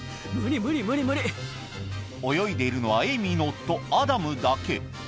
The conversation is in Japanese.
泳いでいるのはエイミーの夫、アダムだけ。